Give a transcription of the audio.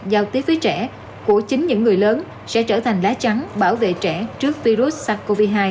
giao tiếp với trẻ của chính những người lớn sẽ trở thành lá chắn bảo vệ trẻ trước virus sars cov hai